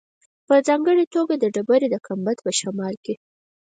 په ځانګړې توګه د ډبرې د ګنبد په شمال کې.